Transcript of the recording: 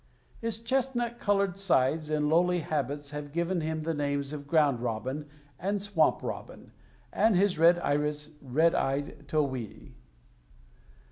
His chestnut colored sides and lowly habits have given him the names of ground robin and swamp robin, and his red iris, red eyed towhee.